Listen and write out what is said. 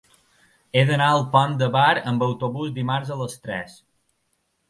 He d'anar al Pont de Bar amb autobús dimarts a les tres.